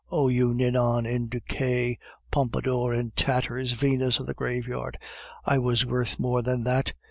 Oh you Ninon in decay, Pompadour in tatters, Venus of the graveyard, I was worth more than that!